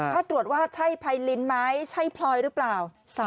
ถ้าตรวจว่าใช่ไพรินไหมใช่พลอยหรือเปล่า